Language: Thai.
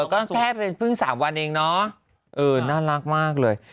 ก็แค่เป็นเพิ่ง๓วันเองเนาะน่ารักมากเลย